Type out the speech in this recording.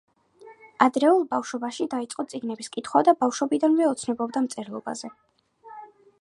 ადრეულ ბავშვობაში დაიწყო წიგნების კითხვა და ბავშვობიდან ოცნებობდა მწერლობაზე.